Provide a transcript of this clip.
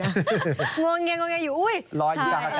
งวงเงียงงวงเงียงอยู่อุ้ย